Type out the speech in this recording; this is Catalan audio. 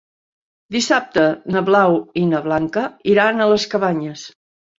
Dissabte na Blau i na Blanca iran a les Cabanyes.